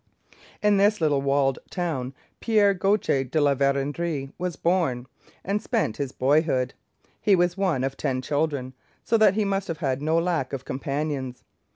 In this little walled town Pierre Gaultier de La Vérendrye was born, and spent his boyhood. He was one of ten children, so that he must have had no lack of companions.